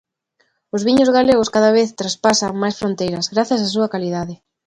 Os viños galegos cada vez traspasan máis fronteiras, grazas á súa calidade.